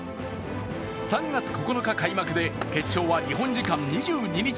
３月９日開幕で決勝は日本時間２２日。